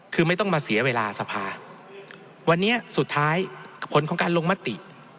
คือไม่ต้องมาเสียเวลาสภาวันนี้สุดท้ายผลของการลงมติ